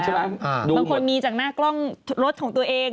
บางคนมีจากหน้ากล้องรถของตัวเอง